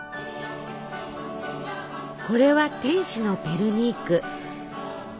これは天使のペルニーク。